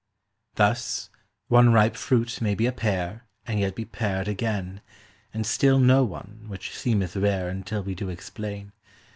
Thus, one ripe fruit may be a pear, and yet be pared again, And still no one, which seemeth rare until we do explain.